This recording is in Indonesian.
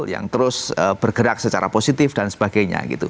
yang terus bergerak secara positif dan sebagainya gitu